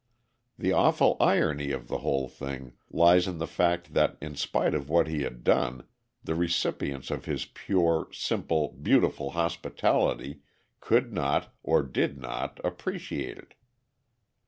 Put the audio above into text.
The awful irony of the whole thing lies in the fact that in spite of what he had done, the recipients of his pure, simple, beautiful hospitality could not, or did not, appreciate it.